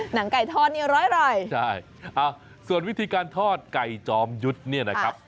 หนังไก่ทอดนี่ร้อยใช่ส่วนวิธีการทอดไก่จอมยุทธ์เนี่ยนะครับ